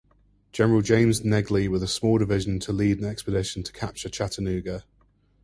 General James Negley with a small division to lead an expedition to capture Chattanooga.